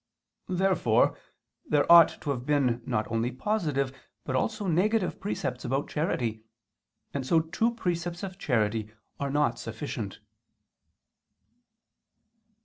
Therefore there ought to have been not only positive, but also negative precepts about charity; and so two precepts of charity are not sufficient.